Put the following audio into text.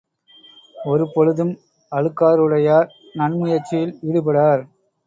ஒரு பொழுதும் அழுக்காறுடையார் நன் முயற்சியில் ஈடுபடார்.